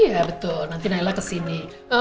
iya betul nanti naila kesini